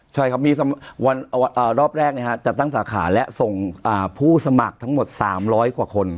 ใช่ครับมีรอบแรกจัดตั้งสาขาและส่งผู้สมัครทั้งหมด๓๐๐กว่าคน